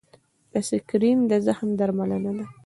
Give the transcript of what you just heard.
د سکېر د زخم درملنه ده.